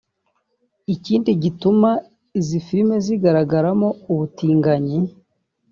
Ikindi gituma izi filime zigaragaramo ubutinganyi